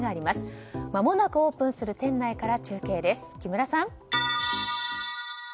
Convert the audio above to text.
まもなくオープンする店内から中継です、木村さん。